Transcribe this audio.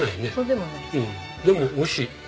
でもおいしい。